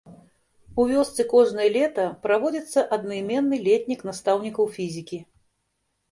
У вёсцы кожнае лета праводзіцца аднаіменны летнік настаўнікаў фізікі.